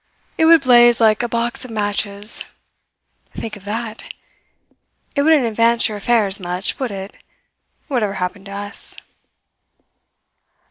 It would blaze like a box of matches. Think of that! It wouldn't advance your affairs much, would it? whatever happened to us."